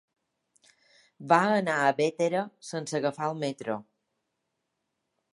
Va anar a Bétera sense agafar el metro.